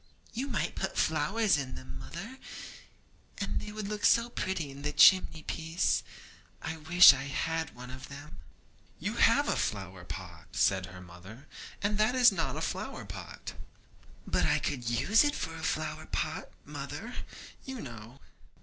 'You might put flowers in them, mother, and they would look so pretty on the chimney piece. I wish I had one of them.' 'You have a flower pot,' said her mother, 'and that is not a flower pot.' 'But I could use it for a flower pot, mother, you know.'